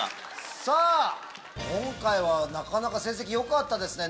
今回はなかなか成績良かったですね。